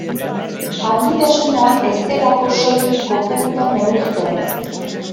Handitasuna ez delako soilik kopurutan neurtzen.